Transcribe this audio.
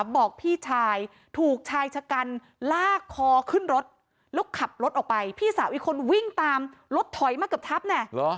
บอกพี่ชายถูกชายชะกันลากคอขึ้นรถแล้วขับรถออกไปพี่สาวอีกคนวิ่งตามรถถอยมาเกือบทับแน่